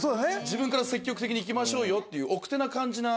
自分から積極的に「行きましょうよ」っていう。